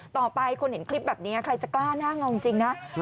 ต่อไปคนเห็นคลิปแบบนี้ใครจะกล้าหน้างอจริงนะ